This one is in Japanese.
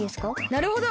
なるほど！